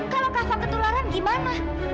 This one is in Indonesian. kalau kava ketularan gimana